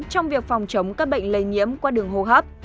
trong việc phòng chống các bệnh lây nhiễm qua đường hô hấp